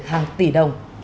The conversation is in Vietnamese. hàng tỷ đồng